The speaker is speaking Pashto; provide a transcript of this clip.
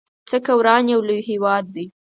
څه که وران يو لوی هيواد دی